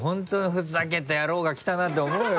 ふざけた野郎が来たなと思うよ